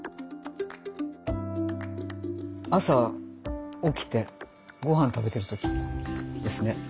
朝起きてご飯食べてる時ですね。